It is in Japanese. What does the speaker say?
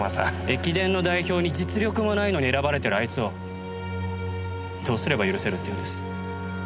駅伝の代表に実力もないのに選ばれてるあいつをどうすれば許せるっていうんです？